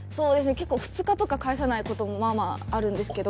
結構２日とか返さない事もまあまああるんですけど。